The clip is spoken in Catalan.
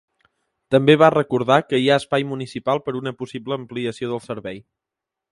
També va recordar que hi ha espai municipal per una possible ampliació del servei.